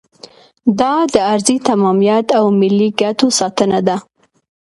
دا د ارضي تمامیت او ملي ګټو ساتنه ده.